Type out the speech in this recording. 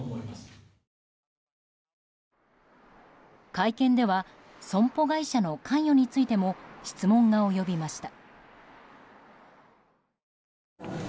会見では損保会社の関与についても質問が及びました。